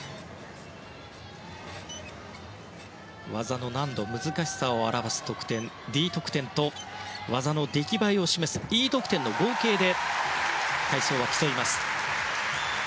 技の難度、難しさを表す得点のＤ得点と技の出来栄えを示すＥ得点の合計で体操は競います。